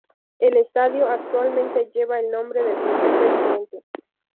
El estadio actualmente lleva el nombre del primer Presidente.